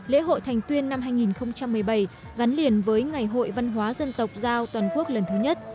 lễ hội thành tuyên năm hai nghìn một mươi bảy gắn liền với ngày hội văn hóa dân tộc giao toàn quốc lần thứ nhất